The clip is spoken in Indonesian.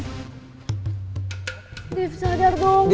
nadif sadar dong